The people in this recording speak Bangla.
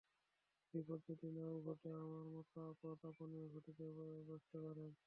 বিপদ যদি না-ও ঘটে, আমার মতো আপদ আপনিও ঘটিয়ে বসতে পারেন।